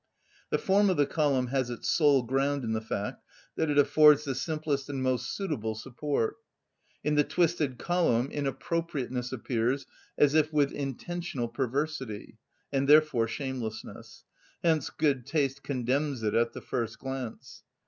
The form of the column has its sole ground in the fact that it affords the simplest and most suitable support. In the twisted column inappropriateness appears as if with intentional perversity, and therefore shamelessness: hence good taste condemns it at the first glance.